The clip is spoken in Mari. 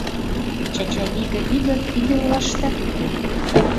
Чачавий гай ӱдыр тиде олаштат уке.